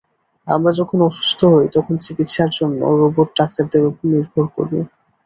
আমরা যখন অসুস্থ হই তখন চিকিৎসার জন্যে রোবট ডাক্তারদের উপর নির্ভর করি।